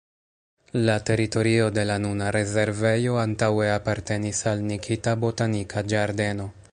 La teritorio de la nuna rezervejo antaŭe apartenis al Nikita botanika ĝardeno.